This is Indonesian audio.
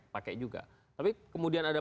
pakai juga tapi kemudian ada